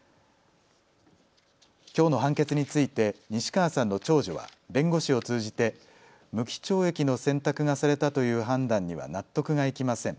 きょうの判決について西川さんの長女は弁護士を通じて無期懲役の選択がされたという判断には納得がいきません。